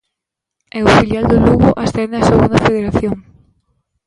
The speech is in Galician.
E o filial do Lugo ascende á Segunda Federación.